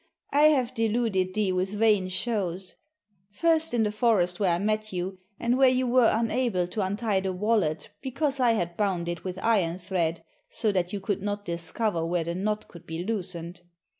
I have deluded thee with vain shows; first in the forest, where I met you, and where you were unable to untie the wallet because I had bound it with iron thread so that you could not discover where the knot could be loosened.